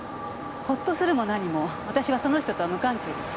ホッとするも何も私はその人とは無関係です。